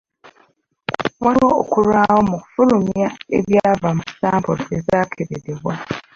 Waliwo okulwawo mu kufulumya ebyava mu sampolo ezaakeberebwa.